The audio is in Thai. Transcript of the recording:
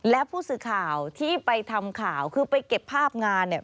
และผู้สื่อข่าวที่ไปทำข่าวคือไปเก็บภาพงานเนี่ย